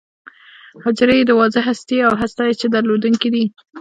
حجرې یې د واضح هستې او هسته چي درلودونکې دي.